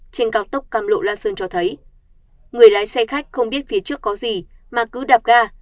trên cao tốc cam lộ la sơn cho thấy người lái xe khách không biết phía trước có gì mà cứ đạp ga